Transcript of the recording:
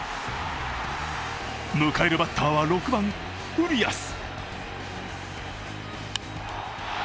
迎えるバッターは６番・ウリアス。